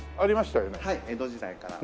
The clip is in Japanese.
はい江戸時代から。